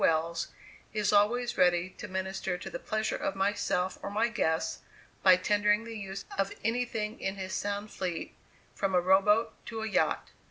Wells, is always ready to minister to the pleasure of myself or my guests by tendering the use of anything in his Sound fleet, from a row boat to a yacht.